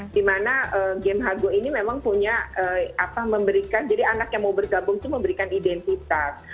dimana game hago ini memang punya apa memberikan jadi anak yang mau bergabung itu memberikan identitas